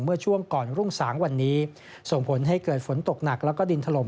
เมื่อช่วงก่อนรุ่งสางวันนี้ส่งผลให้เกิดฝนตกหนักแล้วก็ดินถล่ม